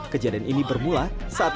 kejadian ini bermula saat